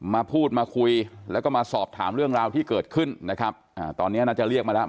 มาพูดมาคุยแล้วก็มาสอบถามเรื่องราวที่เกิดขึ้นนะครับอ่าตอนนี้น่าจะเรียกมาแล้ว